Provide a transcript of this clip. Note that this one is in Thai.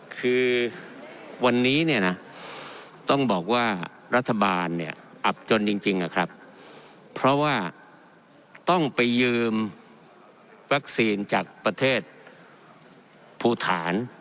คือวันนี้ต้องบอกว่ารัฐบาลอับจนจริงเพราะว่าต้องไปยืมวัคซีนจากประเทศผู้ฐาน